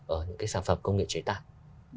ở những cái sản phẩm công nghệ chế tạp